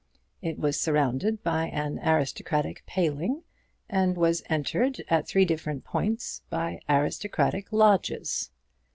It was surrounded by an aristocratic paling, and was entered, at three different points, by aristocratic lodges.